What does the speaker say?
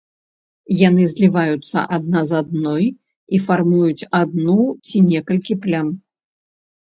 Яны зліваюцца адна з адной і фармуюць адну ці некалькі плям.